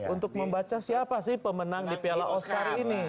untuk membaca siapa sih pemenang di piala oscar ini